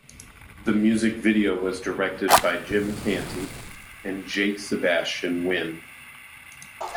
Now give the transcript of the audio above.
The music video was directed by Jim Canty and Jake-Sebastian Wynne.